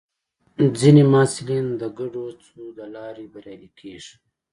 ځینې محصلین د ګډو هڅو له لارې بریالي کېږي.